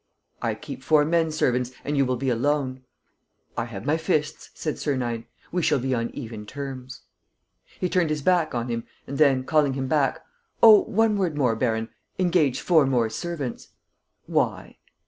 "I keep four men servants and you will be alone." "I have my fists," said Sernine. "We shall be on even terms." He turned his back on him and then, calling him back: "Oh, one word more, baron. Engage four more servants." "Why?"